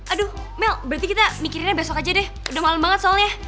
aduh mel berarti kita mikirinnya besok aja deh udah malam banget soalnya